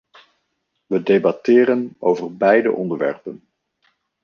We debatteren over beide onderwerpen.